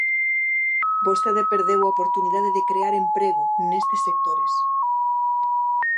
Vostede perdeu a oportunidade de crear emprego nestes sectores.